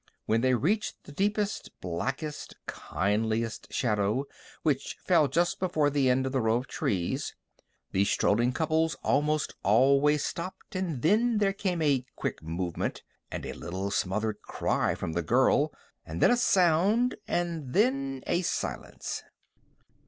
When they reached the deepest, blackest, kindliest shadow, which fell just before the end of the row of trees, the strolling couples almost always stopped, and then there came a quick movement, and a little smothered cry from the girl, and then a sound, and then a silence.